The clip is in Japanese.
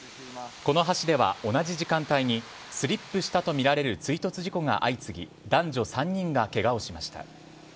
この橋では同じ時間帯にスリップしたとみられる追突事故が相次ぎ男女３人がケガをしました。